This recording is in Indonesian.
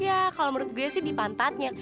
iya kalau menurut gue dia di pantatnya